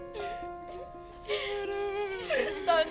gitu mulu lagi tonet